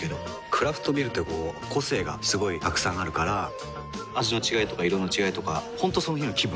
クラフトビールってこう個性がすごいたくさんあるから味の違いとか色の違いとか本当その日の気分。